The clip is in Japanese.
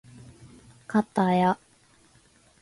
かたや